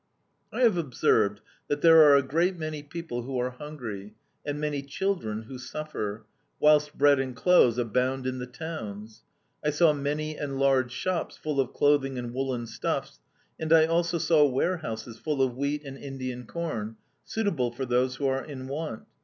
"I have observed that there are a great many people who are hungry, and many children who suffer, whilst bread and clothes abound in the towns. I saw many and large shops full of clothing and woolen stuffs, and I also saw warehouses full of wheat and Indian corn, suitable for those who are in want.